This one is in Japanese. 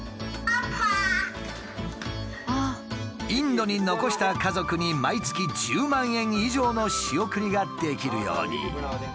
インドに残した家族に毎月１０万円以上の仕送りができるように。